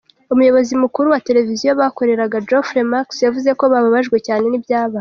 Umuyobozi mukuru wa televiziyo bakoreraga, Jeffrey Marks yavuze ko babajwe cyane n’ ibyabaye.